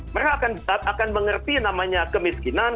mereka akan mengerti namanya kemiskinan